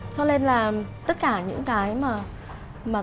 cho nên là tất cả những cái mà tình huống xảy ra